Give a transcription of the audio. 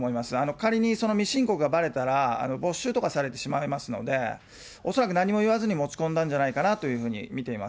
仮にその未申告がばれたら、没収とかされてしまいますので、恐らく何も言わずに持ち込んだんじゃないかなと見ています。